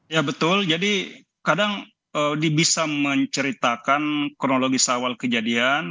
ya betul jadi kadang bisa menceritakan kronologi sawal kejadian